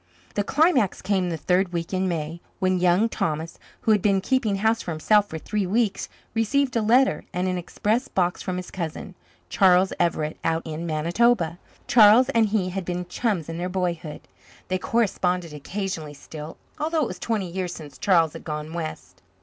The climax came the third week in May, when Young Thomas, who had been keeping house for himself for three weeks, received a letter and an express box from his cousin, Charles Everett, out in Manitoba. Charles and he had been chums in their boyhood. They corresponded occasionally still, although it was twenty years since Charles had gone west.